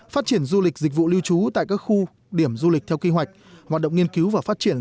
phát triển du lịch dịch vụ lưu trú tại các khu điểm du lịch theo kế hoạch hoạt động nghiên cứu và phát triển